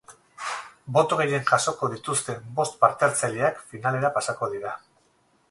Boto gehien jasoko dituzten bost parte-hartzaileak finalera pasako dira.